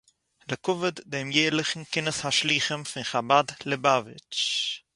לכבוד דעם יערליכן כינוס השלוחים פון חב"ד-ליובאַוויטש